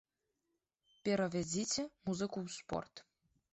Перавядзіце музыку ў спорт.